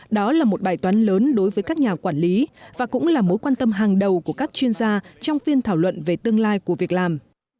đó là một bài toán lớn đối với các nhà quản lý và cũng là mối quan tâm hàng đầu của các chuyên gia trong phiên thảo luận về tương lai của việc làm